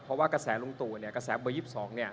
เพราะว่ากระแสลุงตู่เนี่ยกระแสเบอร์๒๒เนี่ย